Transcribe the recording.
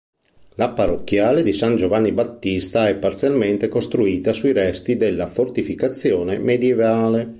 La Parrocchiale di San Giovanni Battista è parzialmente costruita sui resti della fortificazione medievale.